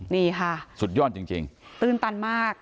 นี่ค่ะสุดยอดจริงตื้นตันมาก